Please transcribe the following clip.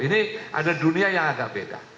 ini ada dunia yang agak beda